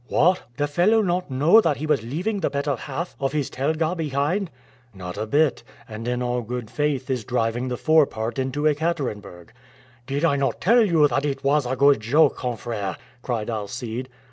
"What! the fellow not know that he was leaving the better half of his telga behind?" "Not a bit, and in all good faith is driving the fore part into Ekaterenburg." "Did I not tell you that it was a good joke, confrère?" cried Alcide.